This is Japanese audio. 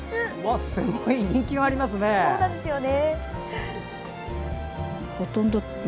すごい、人気がありますね。